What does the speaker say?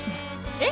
え！？